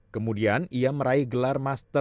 kemudian ia meraih gelar master